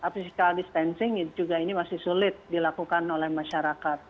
physical distancing juga ini masih sulit dilakukan oleh masyarakat